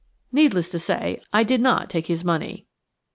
" Needless to say, I did not take his money.